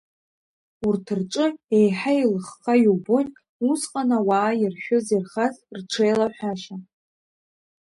Урҭ рҿы еиҳа еилыхха иубоит усҟан ауаа иршәыз-ирхаз, рҽеилаҳәашьа.